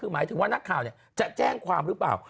คือหมายถึงว่านักข่าวจะแจ้งความหรือเปล่า